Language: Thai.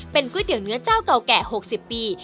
ก๋วยเตี๋ยวเนื้อเจ้าเก่าแก่๖๐ปี